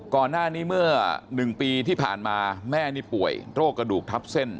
ก่อนหน้านี้เมื่อ๑ปีที่ผ่านมาแม่นี่ป่วยโรคกระดูกทับเส้น